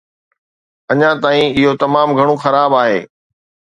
اڃان تائين، اهو تمام گهڻو خراب آهي.